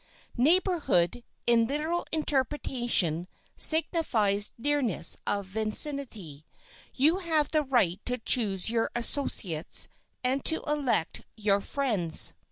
"Neighborhood" in literal interpretation signifies nearness of vicinity. You have the right to choose your associates and to elect your friends.